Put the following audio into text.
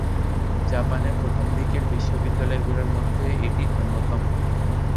জাপানের প্রথম দিকের বিশ্ববিদ্যালয়গুলোর মধ্যে এটি অন্যতম।